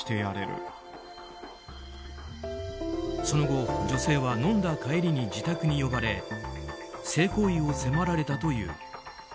その後、女性は飲んだ帰りに自宅に呼ばれ性行為を迫られたという。